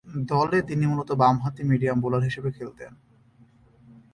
দলে তিনি মূলতঃ বামহাতি মিডিয়াম বোলার হিসেবে খেলতেন।